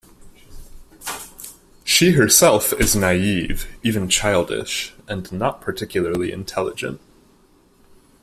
She herself is naive, even childish, and not particularly intelligent.